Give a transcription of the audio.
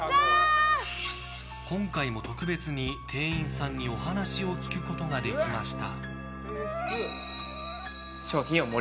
今回も特別に店員さんにお話を聞くことができました。